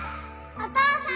お父さん！